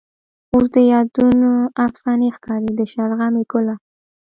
اوس د یادونه افسانې ښکاري. د شلغمې ګله